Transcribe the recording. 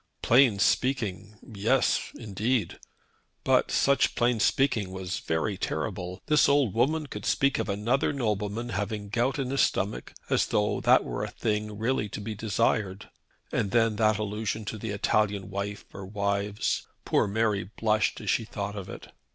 Plain speaking! Yes, indeed. But such plain speaking was very terrible. This old woman could speak of another nobleman having gout in his stomach as though that were a thing really to be desired. And then that allusion to the Italian wife or wives! Poor Mary blushed as she thought of it.